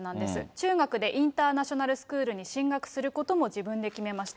中学でインターナショナルスクールに進学することも自分で決めました。